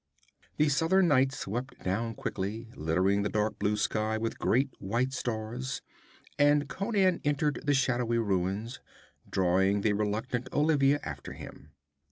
The southern night swept down quickly, littering the dark blue sky with great white stars, and Conan entered the shadowy ruins, drawing the reluctant Olivia after him.